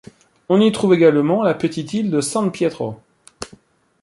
On y trouve également la petite île de San Pietro.